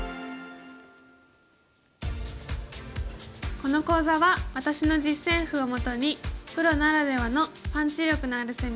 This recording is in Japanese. この講座は私の実戦譜をもとにプロならではのパンチ力のある攻めや発想力を学んで頂きます。